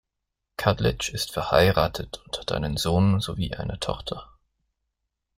Kadlec ist verheiratet und hat einen Sohn sowie eine Tochter.